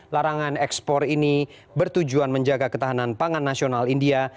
larangan ekspor ini bertujuan menjaga ketahanan pangan nasional india